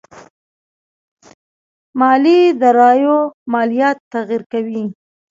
مالي داراییو ماليات تغير کوي.